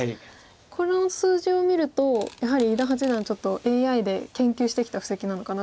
この数字を見るとやはり伊田八段ちょっとＡＩで研究してきた布石なのかなという気も。